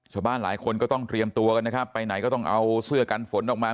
ชาวบ้านหลายคนก็ต้องเตรียมตัวกันนะครับไปไหนก็ต้องเอาเสื้อกันฝนออกมา